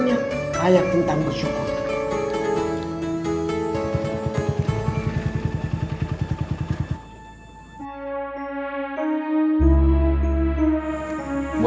mereka bahasa hawang buat'sikeau